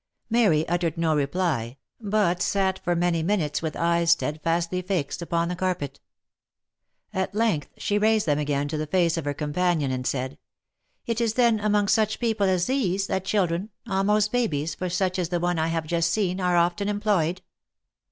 Mary uttered no reply, but sat for many minutes with eyes stead fastly fixed upon the carpet. At length she raised them again to the face of her companion, and said, "It is then among such people as these, that children, almost babies — for such is the one I have just seen — are often employed